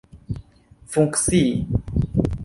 funkcii